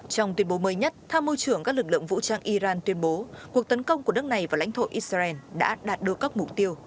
trong tuyên bố mới nhất tham mưu trưởng các lực lượng vũ trang iran tuyên bố cuộc tấn công của nước này vào lãnh thổ israel đã đạt được các mục tiêu